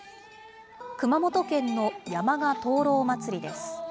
熊本県の山鹿灯籠まつりです。